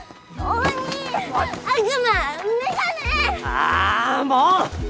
あぁもう！